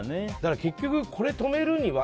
結局、これを止めるには。